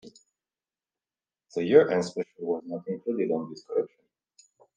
The Year End Special was not included on this collection.